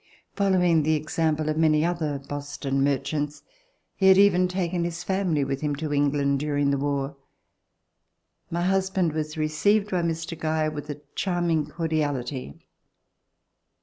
Following the example of many other Boston merchants, he had even taken his family with him to England during the war. My husband was received by Mr. Geyer with a charming cordiality.